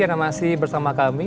anda masih bersama kami